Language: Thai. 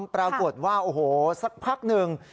ปรากฏว่าโอ้โหสักพักหนึ่ง